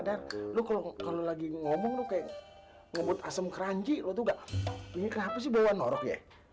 dan lu kalau lagi ngomong lo kayak ngobot asam keranji lu juga ini kenapa sih bawa norok ya